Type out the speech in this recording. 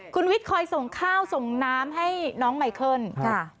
คุณวิทย์คอยส่งข้าวส่งน้ำให้น้องไมเคิลค่ะ